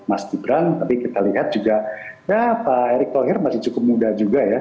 mas gibran tapi kita lihat juga ya pak erick thohir masih cukup muda juga ya